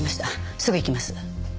すぐ行きます。